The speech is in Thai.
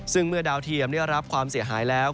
ซึ่งเมื่อดาวเทียมได้รับความเสียหายแล้ว